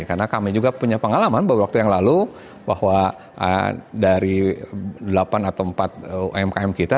karena kami juga punya pengalaman bahwa waktu yang lalu bahwa dari delapan atau empat umkm kita